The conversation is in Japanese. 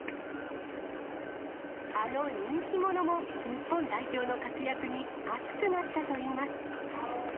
あの人気者も、日本代表の活躍に、熱くなったといいます。